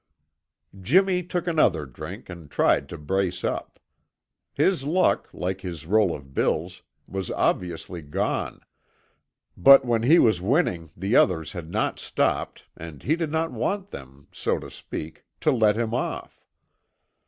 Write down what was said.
Jimmy took another drink and tried to brace up. His luck, like his roll of bills, was obviously gone, but when he was winning the others had not stopped, and he did not want them, so to speak, to let him off.